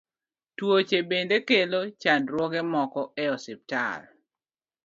Tuoche bende kelo chandruoge moko e osiptal.